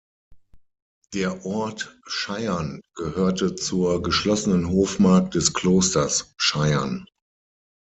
Der Ort Scheyern gehörte zur geschlossenen Hofmark des Klosters Scheyern.